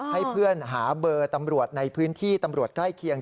ให้เพื่อนหาเบอร์ตำรวจในพื้นที่ตำรวจใกล้เคียง